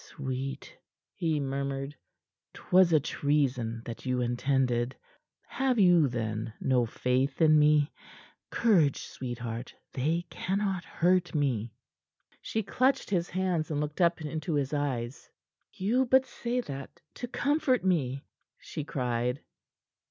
"Sweet," he murmured, "'twas a treason that you intended. Have you, then, no faith in me? Courage, sweetheart, they cannot hurt me." She clutched his hands, and looked up into his eyes. "You but say that to comfort me!" she cried.